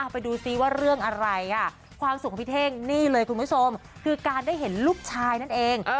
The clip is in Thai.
ไปดูซิว่าเรื่องอะไรค่ะความสุขของพี่เท่งนี่เลยคุณผู้ชมคือการได้เห็นลูกชายนั่นเอง